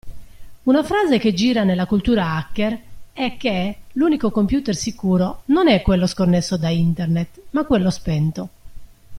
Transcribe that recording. Una frase che gira nella cultura hacker è che, l'unico computer sicuro, non è quello sconnesso da internet ma quello spento.